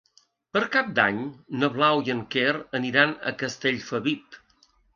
Per Cap d'Any na Blau i en Quer aniran a Castellfabib.